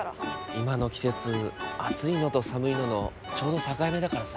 今の季節暑いのと寒いののちょうど境目だからさ。